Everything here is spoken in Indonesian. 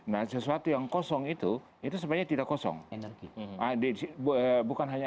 nah sesuatu yang kosong itu itu sebenarnya tidak kosong energi bukan hanya